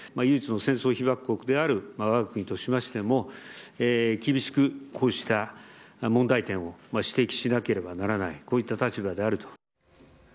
唯一の戦争被爆国であるわが国としましても、厳しくこうした問題点を指摘しなければならない、こういった立場であると。